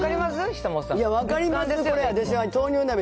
分かります？